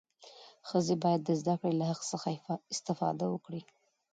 ښځې باید د زدهکړې له حق څخه استفاده وکړي.